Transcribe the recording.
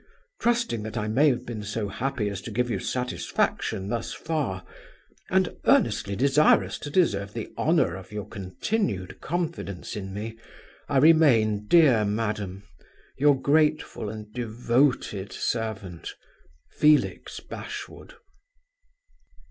"Trusting that I may have been so happy as to give you satisfaction thus far, and earnestly desirous to deserve the honor of your continued confidence in me, I remain, dear madam, "Your grateful and devoted servant, "FELIX BASHWOOD."